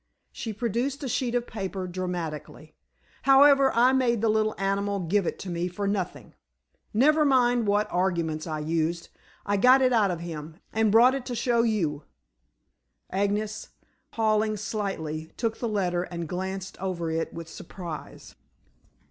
She produced a sheet of paper dramatically. "However, I made the little animal give it to me for nothing. Never mind what arguments I used. I got it out of him, and brought it to show you." Agnes, paling slightly, took the letter and glanced over it with surprise.